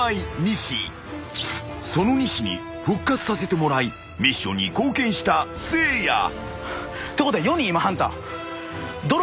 ［その西に復活させてもらいミッションに貢献したせいや］ってことは今。